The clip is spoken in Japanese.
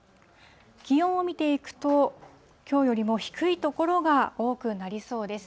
気温を見ていくと、きょうよりも低い所が多くなりそうです。